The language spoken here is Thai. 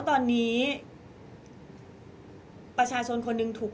ก็ต้องฝากพี่สื่อมวลชนในการติดตามเนี่ยแหละค่ะ